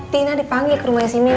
tina dipanggil ke rumahnya si mina